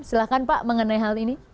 silahkan pak mengenai hal ini